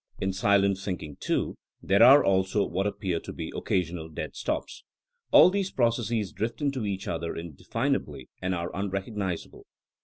In silent thinking, too, there are also what appear to be occasional dead stops. All these processes drift into each other indefinably and are unrecognizable.